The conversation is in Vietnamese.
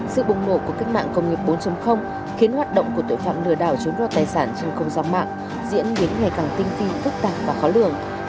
sự bùng nổ của cách mạng công nghiệp bốn khiến hoạt động của tội phạm lừa đảo chiếm đoạt tài sản trên không gian mạng diễn biến ngày càng tinh phi phức tạp và khó lường